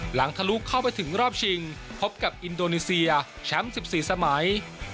ทะลุเข้าไปถึงรอบชิงพบกับอินโดนีเซียแชมป์๑๔สมัย